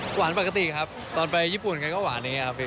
ปกติครับตอนไปญี่ปุ่นแกก็หวานอย่างนี้ครับพี่